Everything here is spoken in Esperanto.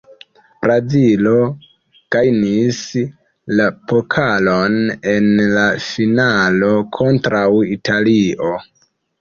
Brazilo gajnis la pokalon en la finalo kontraŭ Italio.